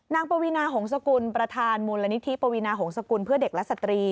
ปวีนาหงษกุลประธานมูลนิธิปวีนาหงษกุลเพื่อเด็กและสตรี